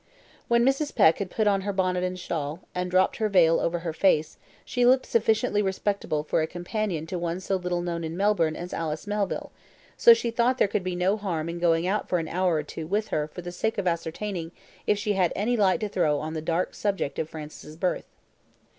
When Mrs. Peck had put on her bonnet and shawl, and dropped her veil over her face, she looked sufficiently respectable for a companion to one so little known in Melbourne as Alice Melville, so she thought there could be no harm in going out for an hour or two with her for the sake of ascertaining if she had any light to throw on the dark subject of Francis's birth.